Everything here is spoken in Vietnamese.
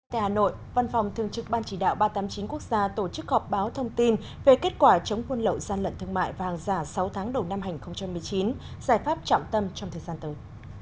tại hà nội văn phòng thương trực ban chỉ đạo ba trăm tám mươi chín quốc gia tổ chức họp báo thông tin về kết quả chống buôn lậu gian lận thương mại và hàng giả sáu tháng đầu năm hai nghìn một mươi chín giải pháp trọng tâm trong thời gian tới